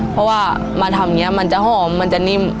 เพราะว่ามาทำอย่างนี้มันจะหอมมันจะนิ่ม